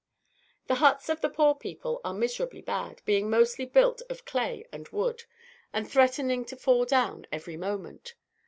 The huts of the poor people are miserably bad, being mostly built of clay and wood, and threatening to fall down every moment.